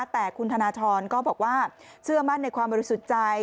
แต่คุณธนทรก็บอกว่าเชื่อมั่นในความบริสุทธิ์ใจ